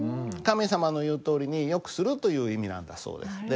神様の言うとおりに善くするという意味なんだそうです。